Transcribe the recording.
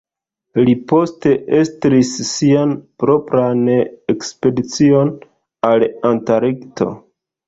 Li poste estris sian propran ekspedicion al Antarkto.